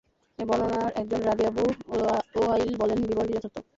এ বর্ণনার একজন রাবী আবু ওয়াইল বলেন, বিবরণটি যথার্থ।